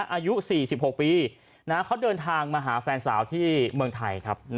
อายุ๔๖ปีเขาเดินทางมาหาแฟนสาวที่เมืองไทยครับ